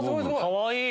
かわいい！